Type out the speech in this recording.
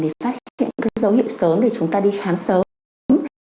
để phát hiện các dấu hiệu sớm để chúng ta đi khám sớm